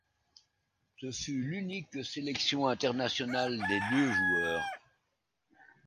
Ce fut l'unique sélection internationale des deux joueurs.